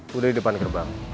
gue udah di depan gerbang